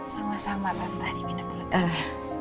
sama sama tante diminum dulu tante